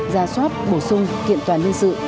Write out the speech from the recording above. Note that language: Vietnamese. ra soát bổ sung kiện toàn nhân sự